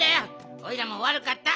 おいらもわるかった。